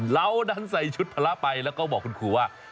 เรานั้นใส่ชุดภาระไปแล้วก็บอกคุณครูว่า